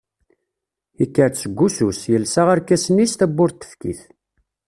Yekker-d seg wussu-s, yelsa arkasen-is, tawwurt tefk-it.